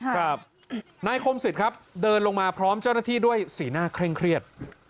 นายคมสิทธิ์ครับเดินลงมาพร้อมเจ้าหน้าที่ด้วยสีหน้าเคร่งเครียด